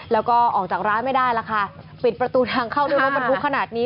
แล้วก็ออกจากร้านไม่ได้แล้วค่ะปิดประตูทางเข้าด้วยรถบรรทุกขนาดนี้